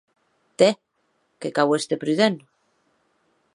Tè!, que cau èster prudent.